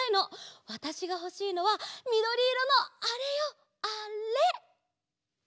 わたしがほしいのはみどりいろのあれよあれ。